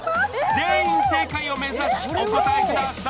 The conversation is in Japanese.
全員正解を目指し、お答えください。